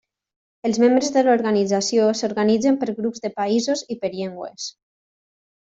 Els membres de l'organització s'organitzen per grups de països i per llengües.